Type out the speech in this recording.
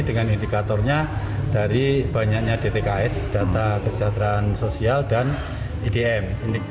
dengan indikatornya dari banyaknya dtks data kesejahteraan sosial dan idm